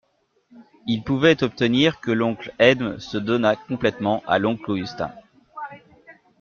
Il pouvait obtenir que l'oncle Edme se donnât complètement à l'oncle Augustin.